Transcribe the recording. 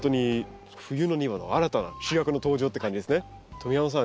富山さん